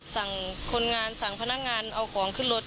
สั่งคนงานสั่งพนักงานเอาของขึ้นรถ